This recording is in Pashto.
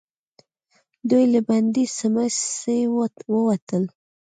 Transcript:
دوئ له بندې سمڅې ووتل.